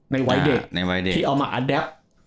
ในวัยเด็กที่เอามาแอดับ